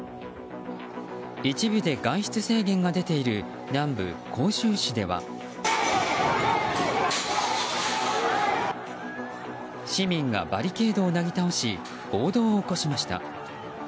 一部で外出制限が出ている南部・広州市では市民がバリケードをなぎ倒し暴動を起こしました。